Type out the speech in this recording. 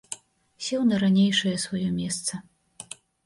Сеў на ранейшае сваё месца.